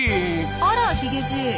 あらヒゲじい。